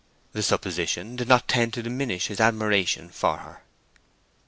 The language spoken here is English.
The supposition did not tend to diminish his admiration for her.